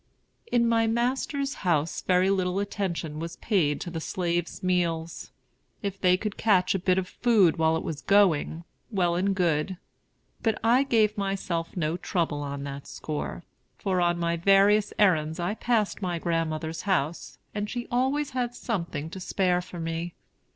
In my master's house very little attention was paid to the slaves' meals. If they could catch a bit of food while it was going, well and good. But I gave myself no trouble on that score; for on my various errands I passed my grandmother's house, and she always had something to spare for me.